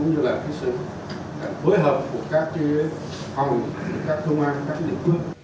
cũng như là sự phối hợp của các phòng các thông an các lĩnh vực